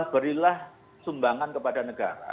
berilah sumbangan kepada negara